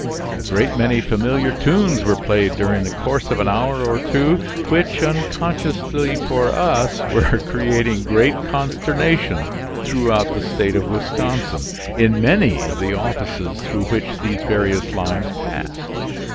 A great many familiar tunes were played during the course of an hour or two which, unconsciously for us, were creating great consternation throughout the State of Wisconsin, in many of the offices through which these various lines passed.